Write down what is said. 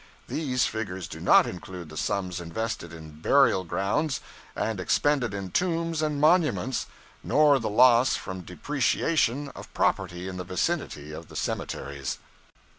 These figures do not include the sums invested in burial grounds and expended in tombs and monuments, nor the loss from depreciation of property in the vicinity of cemeteries.'